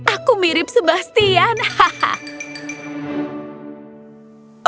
aku mirip sebastian hahaha